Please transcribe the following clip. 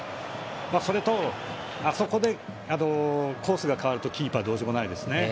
それとあそこでコースが変わるとキーパーはどうしようもないです。